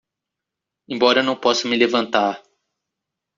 Embora eu não possa me levantar